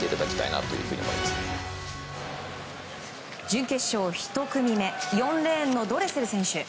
準決勝１組目４レーンのドレセル選手。